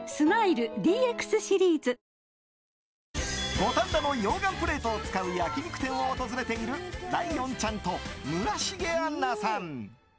五反田の溶岩プレートを使う焼き肉店を訪れているライオンちゃんと村重杏奈さん。